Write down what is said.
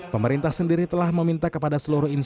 pemerintah sendiri telah meminta kepada seorang pemerintah